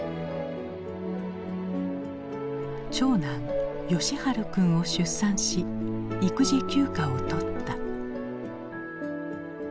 長男喜春君を出産し育児休暇を取った。